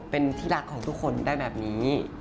เป็นที่รักของทุกคนได้แบบนี้